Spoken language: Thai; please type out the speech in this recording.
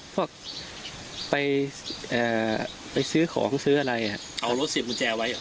พวกไปเอ่อไปซื้อของซื้ออะไรอ่ะเอารถเสียบกุญแจวัย